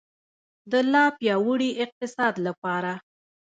د لا پیاوړي اقتصاد لپاره.